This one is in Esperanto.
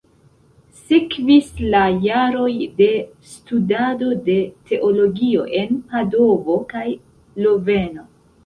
Sekvis la jaroj de studado de teologio en Padovo kaj Loveno.